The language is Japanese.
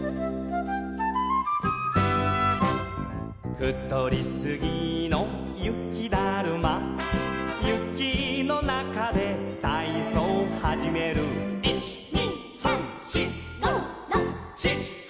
「ふとりすぎの雪ダルマ」「雪のなかでたいそうはじめる」「１２３４５６７８」